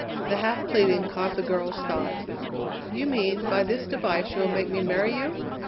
The half pleading caught the girl's thought. "You mean, by this device you will make me marry you?